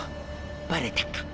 バレたか。